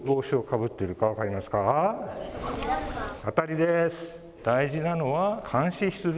当たりです。